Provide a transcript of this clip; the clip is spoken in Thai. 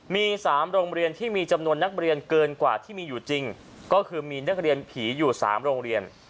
มี๓โรงเรียนที่มีจำนวนนักเรียนเกินกว่าที่มีอยู่จริงก็คือมีนักเรียนผีอยู่๓โรงเรียน